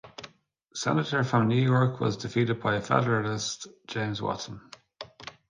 Senator from New York, but was defeated by Federalist James Watson.